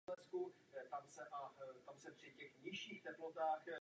V Hořovicích byl na sklonku života zvolen za předsedu pěveckého spolku Slavík.